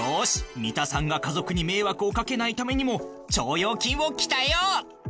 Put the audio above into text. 三田さんが家族に迷惑を掛けないためにも腸腰筋を鍛えよう！